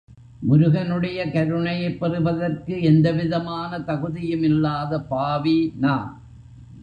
முருகனுடைய கருணையைப் பெறுவதற்கு எந்த விதமான தகுதியும் இல்லாத பாவி நான்.